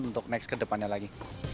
untuk next ke depannya lagi